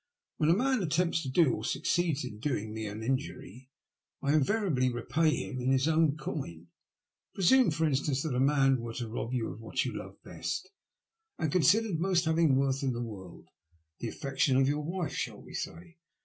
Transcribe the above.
''When a man attempts to do, or succeeds in doing, me an injury, I invariably repay him in his own coin. Pre sume, for instance, that a man were to rob you of what you loved best, and considered most worth having, in the world — ^the affection of your wife, shall we say?